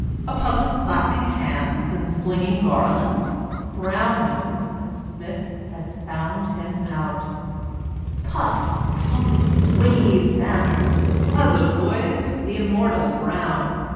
— a public clapping hands and flinging garlands? Brown knows that Smith has found him out. Puff, trumpets! 219 English Mystery Stories Wave, banners 1 Huzza, boys, for the immortal Brown!